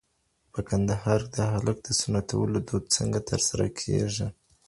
په کندهار کي د هلک د سنتولو دود څنګه ترسره کېږي؟